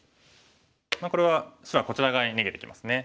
これは白がこちら側に逃げてきますね。